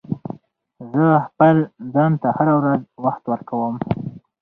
زه خپل ځان ته هره ورځ وخت ورکوم.